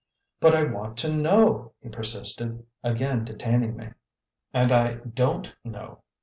"But I want to know," he persisted, again detaining me. "And I DON'T know!"